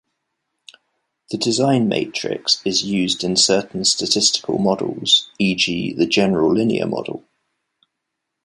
The design matrix is used in certain statistical models, e.g., the general linear model.